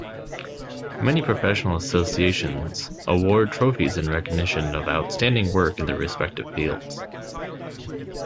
Many professional associations award trophies in recognition of outstanding work in their respective fields.